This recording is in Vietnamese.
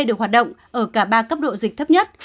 được hoạt động ở cả ba cấp độ dịch thấp nhất